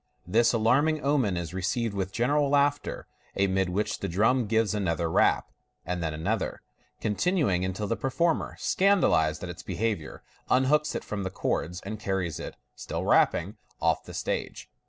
This alarming omen is received with general laughter, amid which the drum gives another rap, and then another, continuing until the performer, scandalized at its behaviour, unhooks it from the cords, and carries it, still rapping, off the stage.